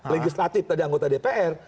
legislatif tadi anggota dpr